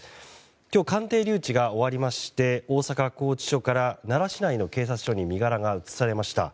今日、鑑定留置が終わりまして大阪拘置所から奈良市内の警察署に身柄が移されました。